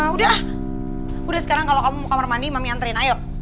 udah udah sekarang kalau kamu mau kamar mandi mami anterin ayo